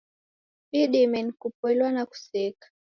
Idime ni kupoilwa na kuseka.